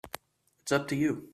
It's up to you.